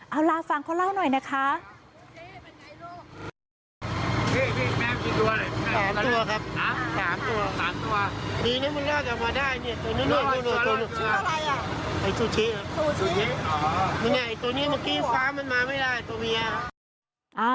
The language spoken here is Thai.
เอาล่ะฟังเขาเล่าหน่อยนะคะ